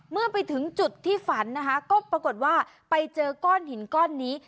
เมื่อไปถึงจุดที่ฝันนะคะก็ปรากฏว่าไปเจอก้อนหินก้อนนี้